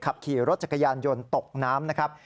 ขับขี่รถจักรยานยนต์ตกน้ำนะครับ